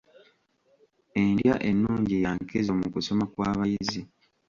Endya ennungi ya nkizo mu kusoma kw'abayizi.